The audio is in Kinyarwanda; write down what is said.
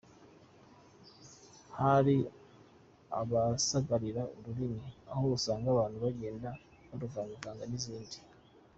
Hari abasagarira ururimi aho usanga abantu bagenda baruvangavanga n’izindi.